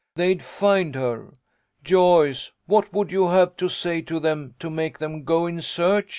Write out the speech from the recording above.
"They'd find her. Joyce, what would you have to say to them to make them go in search